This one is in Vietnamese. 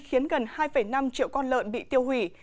khiến gần hai năm triệu con lợn bị tiêu hủy